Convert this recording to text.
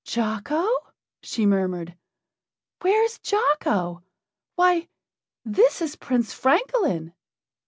"Jocko?" she murmured. "Where is Jocko? Why, this is Prince Francolin!"